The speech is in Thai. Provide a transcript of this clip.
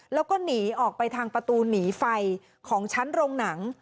แล้วก็หนีออกไปทางประตูหนีไฟของชั้นโรงหนัง